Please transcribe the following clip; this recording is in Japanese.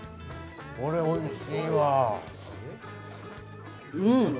これ美味しいわ！